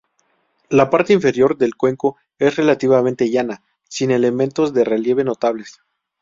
La parte inferior del cuenco es relativamente llana, sin elementos de relieve notables.